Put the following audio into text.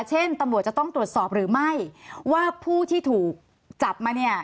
เช่นตำรวจจะต้องตรวจสอบหรือไม่ว่าผู้ที่ถูกจับมาเนี่ย